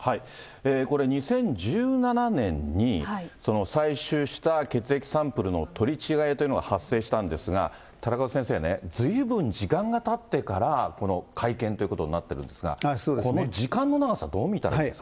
これ、２０１７年に採取した血液サンプルの取り違えというのが発生したんですが、寺門先生ね、ずいぶん時間がたってから、この会見ということになってるんですが、この時間の長さ、どう見たらいいですか。